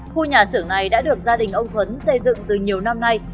khu nhà xưởng này đã được gia đình ông tuấn xây dựng từ nhiều năm nay